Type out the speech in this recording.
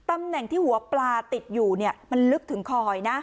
ตำแหน่งที่หัวปลาติดอยู่มันลึกถึงคอยนะ